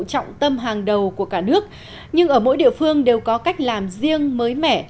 trọng tâm hàng đầu của cả nước nhưng ở mỗi địa phương đều có cách làm riêng mới mẻ